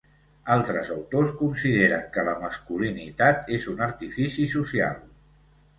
Altres autors consideren que la masculinitat és un artifici social.